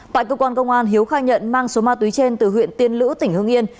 tại cơ quan công an hiếu khai nhận mang số ma túy trên từ huyện tiên lữ tỉnh hương yên